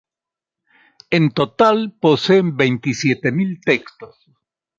En total, poseen veintisiete mil textos.